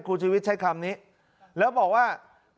ชีวิตใช้คำนี้แล้วบอกว่า